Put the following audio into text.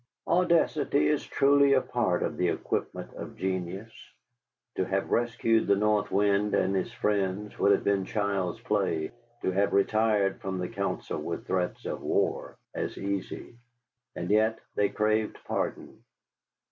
Audacity is truly a part of the equipment of genius. To have rescued the North Wind and his friends would have been child's play; to have retired from the council with threats of war, as easy. And yet they craved pardon.